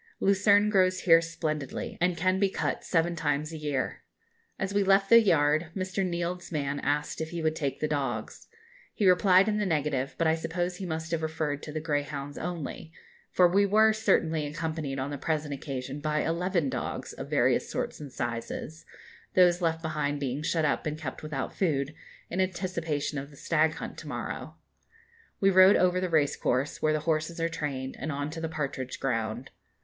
Lucerne grows here splendidly, and can be cut seven times a year. As we left the yard, Mr. Nield's man asked if he would take the dogs. He replied in the negative; but I suppose he must have referred to the greyhounds only, for we were certainly accompanied on the present occasion by eleven dogs of various sorts and sizes, those left behind being shut up and kept without food, in anticipation of the stag hunt to morrow. We rode over the race course, where the horses are trained, and on to the partridge ground.